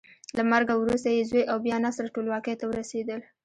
له مرګه وروسته یې زوی او بیا نصر ټولواکۍ ته ورسېدل.